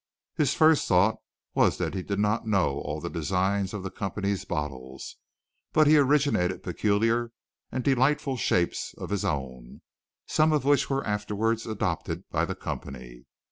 His first thought was that he did not know all the designs of the company's bottles, but he originated peculiar and delightful shapes of his own, some of which were afterwards adopted by the company.